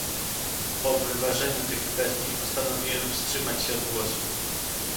Po wyważeniu tych kwestii, postanowiłem wstrzymać się od głosu